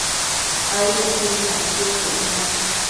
aidotedi tantienquio icnuna